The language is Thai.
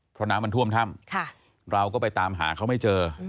เพราะน้ำมันท่วมถ้ำเราก็ไปตามหาเขาไม่เจอ